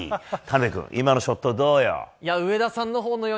今のショットどうよ？